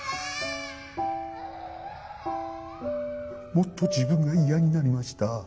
もっと自分が嫌になりました。